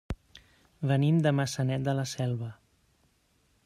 Venim de Maçanet de la Selva.